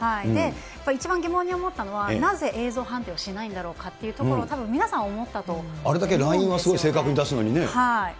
やっぱり一番疑問に思ったのはなぜ映像判定をしないんだろうかというところ、たぶん皆さん、あれだけラインはすごい正確に出すのにね。